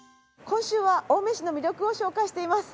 今週は青梅市の魅力を紹介しています。